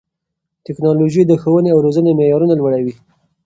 ټیکنالوژي د ښوونې او روزنې معیارونه لوړوي.